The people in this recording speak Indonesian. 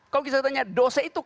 kalau kita tanya dosa itu